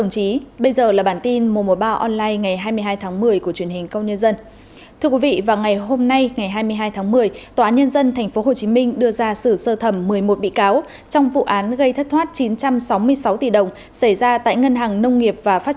hãy đăng ký kênh để ủng hộ kênh của chúng mình nhé